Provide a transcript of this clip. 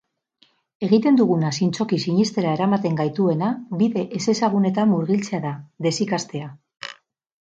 Egiten duguna zintzoki sinestera eramaten gaituena bide ezezagunetan murgiltzea da, desikastea.